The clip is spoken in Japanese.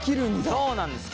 そうなんです。